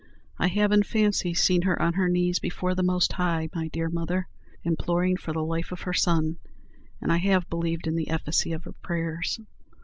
I have, in fancy, seen her on her knees before the Most High my dear mother! imploring for the life of her son; and I have believed in the efficacy of her prayers."